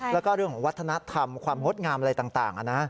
แล้วก็เรื่องวัฒนธรรมความโฮดงามอะไรต่างนะฮะ